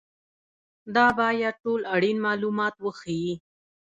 دا باید ټول اړین معلومات وښيي.